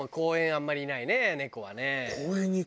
あんまりいないね猫はね。